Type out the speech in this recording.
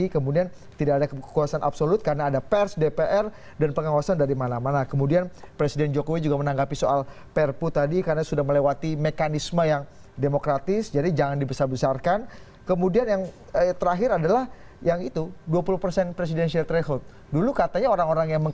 kami akan segera kembali bersajar di berikutnya